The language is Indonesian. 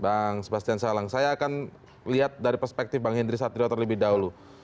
bang sebastian salang saya akan lihat dari perspektif bang hendri satrio terlebih dahulu